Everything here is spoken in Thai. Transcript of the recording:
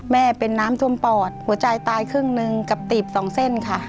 แม่เป็นน้ำท่วมปอดหัวใจตายครึ่งหนึ่งกับตีบสองเส้นค่ะ